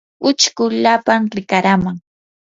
uchkulapam rikaraman.